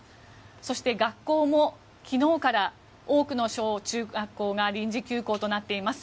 そして、学校も昨日から多くの小中学校が臨時休校となっています。